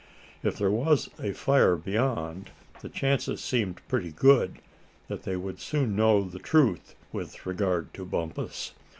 If there was a fire beyond, the chances seemed pretty good that they would soon know the truth with regard to Bumpus.